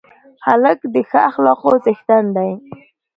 هلک د ښه اخلاقو څښتن دی.